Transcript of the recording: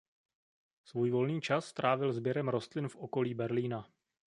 Svůj volný čas trávil sběrem rostlin v okolí Berlína.